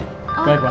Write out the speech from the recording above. oh iya baik pak